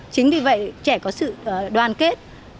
chính vì vậy trẻ có sự đoàn kết